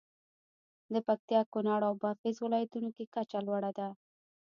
د پکتیا، کونړ او بادغیس ولایتونو کې کچه لوړه ده.